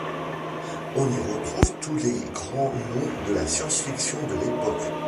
On y retrouve tous les grands noms de la science-fiction de l'époque.